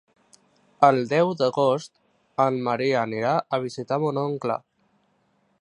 El deu d'agost en Maria anirà a visitar mon oncle.